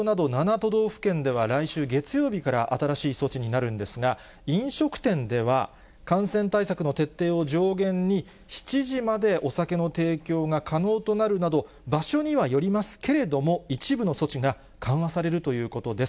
都道府県では来週月曜日から新しい措置になるんですが、飲食店では、感染対策の徹底を条件に、７時までお酒の提供が可能となるなど、場所にはよりますけれども、一部の措置が緩和されるということです。